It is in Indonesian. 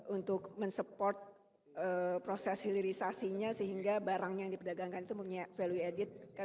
untuk mensupport proses hilirisasinya sehingga barang yang diperdagangkan itu mempunyai value added